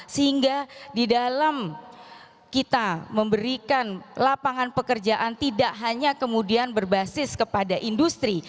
sehingga di dalam kita memberikan lapangan pekerjaan tidak hanya kemudian berbasis kepada industri